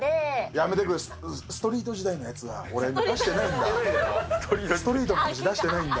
やめてくれ、ストリート時代のやつは、俺、出してないんだ。